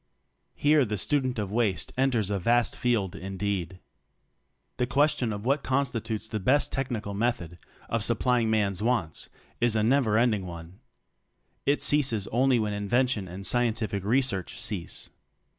Here the student of waste enters a vast field indeed. The question of what constitutes the best technical method of supplying man's wants is a never ending one. It ceases only when invention and scientific research cease.